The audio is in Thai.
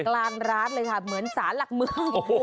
กลางร้านเลยค่ะเหมือนสารหลักเมือง